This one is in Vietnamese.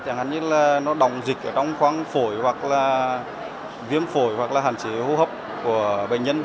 chẳng hạn như là nó đọng dịch ở trong khoang phổi hoặc là viêm phổi hoặc là hạn chế hô hấp của bệnh nhân